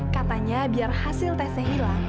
katanya biar hasil tesnya hilang